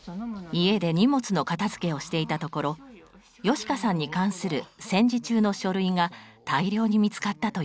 家で荷物の片づけをしていたところ芳香さんに関する戦時中の書類が大量に見つかったといいます。